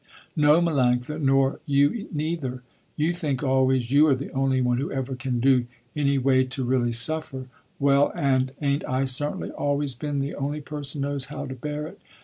"No, Melanctha, nor you neither. You think always, you are the only one who ever can do any way to really suffer." "Well, and ain't I certainly always been the only person knows how to bear it.